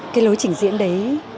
cái lối trình diễn đấy